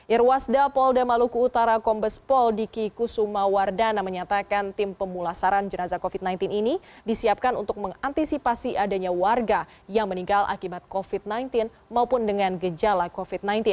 irwasda polda maluku utara kombes pol diki kusuma wardana menyatakan tim pemulasaran jenazah covid sembilan belas ini disiapkan untuk mengantisipasi adanya warga yang meninggal akibat covid sembilan belas maupun dengan gejala covid sembilan belas